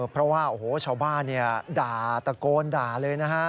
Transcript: เพราะว่าโอ้โหชาวบ้านด่าตะโกนด่าเลยนะฮะ